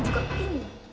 aku juga ingin